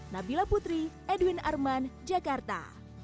nabila putri edwin arman jakarta